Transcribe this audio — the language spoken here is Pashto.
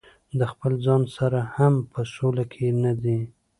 د خپل ځان سره هم په سوله کې نه دي.